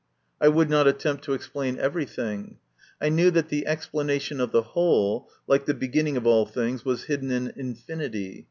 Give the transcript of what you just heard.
I would not attempt to explain everything. I knew that the explanation of the whole, like the beginning of all things, was hidden in infinity.